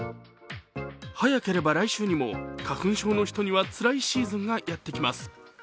早ければ来週にも、花粉症の人にはつらいシーズンがやってきます。